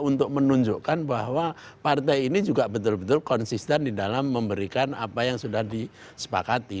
untuk menunjukkan bahwa partai ini juga betul betul konsisten di dalam memberikan apa yang sudah disepakati